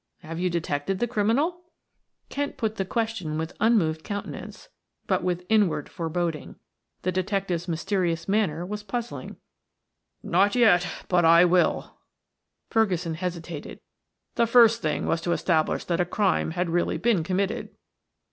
Have you detected the criminal?" Kent put the question with unmoved countenance, but with inward foreboding; the detective's mysterious manner was puzzling. "Not yet, but I will," Ferguson hesitated. "The first thing was to establish that a crime had really been committed."